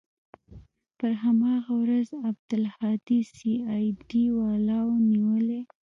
پر هماغه ورځ عبدالهادي سي آى ډي والاو نيولى.